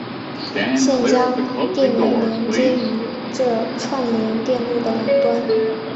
现将电源连接于这串联电路的两端。